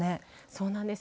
そうなんです。